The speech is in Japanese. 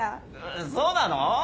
そうなの？